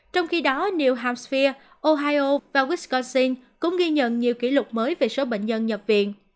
trong khi đó new hampshire ohio và wisconsin cũng ghi nhận nhiều kỷ lục mới về số bệnh nhân nhập viện